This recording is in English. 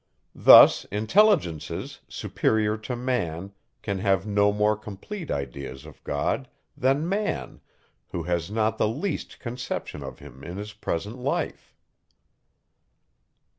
Thus, intelligences, superior to man, can have no more complete ideas of God, than man, who has not the least conception of him in his present life.